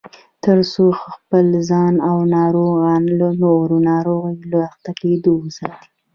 ترڅو خپل ځان او ناروغان له نورو ناروغیو له اخته کېدو وساتي